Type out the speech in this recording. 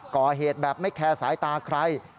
ก่อเหตุแบบไม่แคร์สายตาใคร